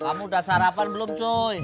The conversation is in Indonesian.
kamu udah sarapan belum joy